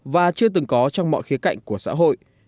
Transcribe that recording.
và chưa từng có trong mọi khía cạnh của xã hội